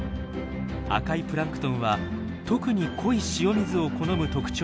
赤いプランクトンは特に濃い塩水を好む特徴があるんです。